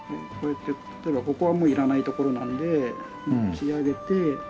こうやって例えばここはもういらない所なんで持ち上げて。